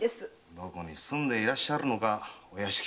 どこに住んでいらっしゃるのかお屋敷もさっぱり。